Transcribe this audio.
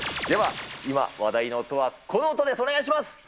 では、今、話題の音はこの音です、お願いします。